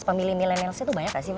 pemilih milenial itu banyak